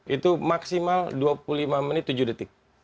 itu maksimal dua puluh lima menit tujuh detik